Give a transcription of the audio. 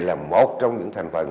là một trong những thành phần